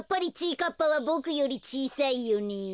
かっぱはボクよりちいさいよね。